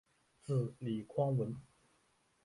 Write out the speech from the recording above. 子李匡文。